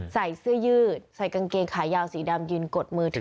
ใส่เสื้อยืดใส่กางเกงขายาวสีดำยืนกดมือถือ